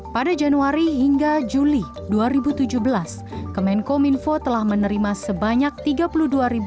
pada januari hingga juli dua ribu tujuh belas kemenkominfo telah menerima sebanyak tiga puluh dua empat ratus enam puluh lima aduan konten negatif